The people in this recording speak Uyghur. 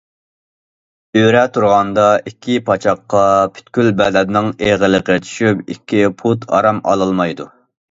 ئۆرە تۇرغاندا ئىككى پاچاققا پۈتكۈل بەدەننىڭ ئېغىرلىقى چۈشۈپ، ئىككى پۇت ئارام ئالالمايدۇ.